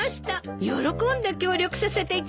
喜んで協力させていただきます。